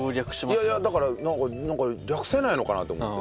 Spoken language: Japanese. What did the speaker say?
いやいやだからなんか略せないのかなと思って。